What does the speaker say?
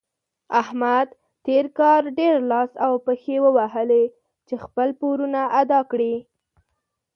احمد تېر کار ډېر لاس او پښې ووهلې چې خپل پورونه ادا کړي.